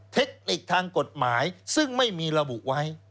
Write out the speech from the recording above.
เทคนิคทางกฎหมายซึ่งไม่มีระบุไว้